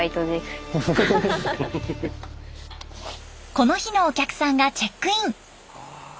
この日のお客さんがチェックイン。